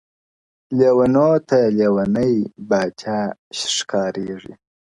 • لېونو ته لېونی پاچا ښکارېږي -